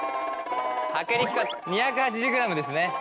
薄力粉２８０ｇですね。